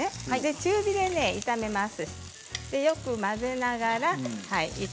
中火で炒めます。